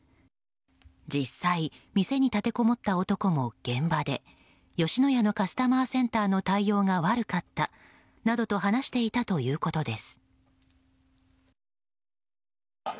実際、店に立てこもった男も現場で吉野家のカスタマーセンターの対応が悪かったなどと話していたということです。